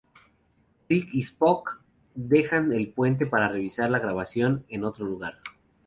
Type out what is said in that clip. Kirk y Spock dejan el puente para revisar la grabación en otro lugar.